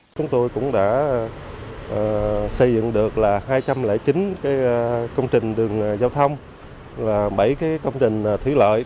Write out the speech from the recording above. chúng tôi cũng đã xây dựng được hai trăm linh chín công trình đường giao thông và bảy công trình thủy lợi